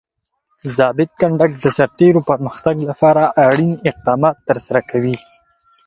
ضابط کنډک د سرتیرو پرمختګ لپاره اړین اقدامات ترسره کوي.